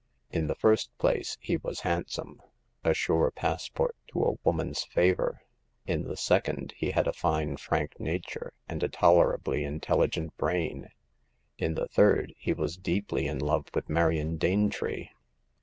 In the first place, he was handsome — a sure passport to a woman's favor ; in the second, he had a fine frank nature, and a tolerably intelligent brain ; in the third, he was deeply in love with Marion Danetree.